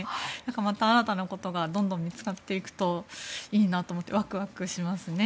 また新たなことがどんどん見つかっていくといいなと思ってワクワクしますね。